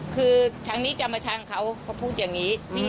คือทางนี้จะมาชังเขาก็พูดอย่างนี้